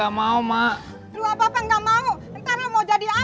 kalau gitu juga banyak berusaha kembali ber tough team